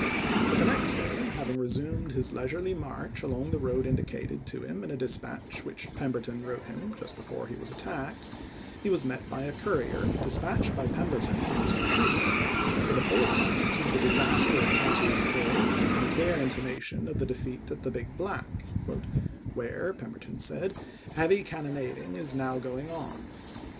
But the P. 210." next day, having resumed his leisurely march along the road indicated to him in a dispatch which Pemberton wrote him just before he was attacked, he was met by a courier dispatched by Pemberton on his retreat, with a full account of the disaster of Champion's Hill and a clear inti mation of the defeat at the Big Black, "where," Pemberton said, " heavy cannonading is now going on.